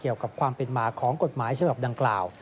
เกี่ยวกับความเป็นมาของกฎหมายฉบับดังกล่าว